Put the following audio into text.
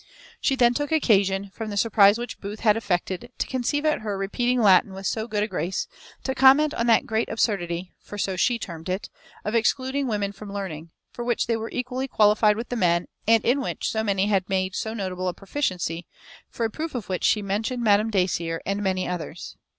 She then took occasion, from the surprize which Booth had affected to conceive at her repeating Latin with so good a grace, to comment on that great absurdity (for so she termed it) of excluding women from learning; for which they were equally qualified with the men, and in which so many had made so notable a proficiency; for a proof of which she mentioned Madam Dacier, and many others.